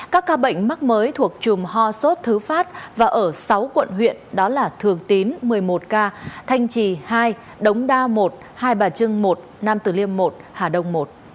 các ca bệnh mắc mới thuộc chùm ho sốt thứ phát và ở sáu quận huyện đó là thường tín một mươi một ca thanh trì hai đống đa một hai bà trưng một nam tử liêm một hà đông một